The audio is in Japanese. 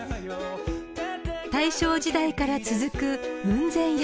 ［大正時代から続く］